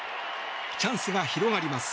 チャンスが広がります。